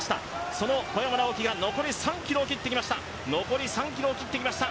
その小山直城が残り３ｋｍを切ってきました。